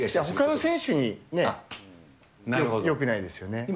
ほかの選手によくないですよね。